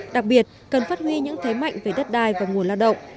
đặc biệt cần phát huy những thế mạnh về đất đai và nguồn lao động